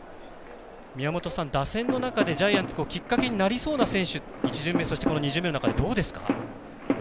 宮本さん、打線の中でジャイアンツきっかけになりそうな選手１巡目、そして２巡目の中でどうですか？